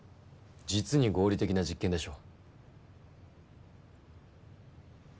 実に合理的な実験でしょ。